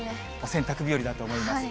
洗濯日和だと思います。